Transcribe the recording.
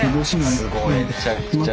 すごいね。